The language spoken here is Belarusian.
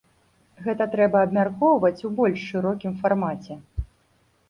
Гэта трэба абмяркоўваць ў больш шырокім фармаце.